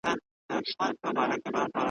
شعرونه د یادولو وړ دي `